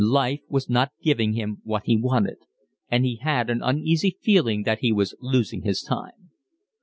Life was not giving him what he wanted, and he had an uneasy feeling that he was losing his time.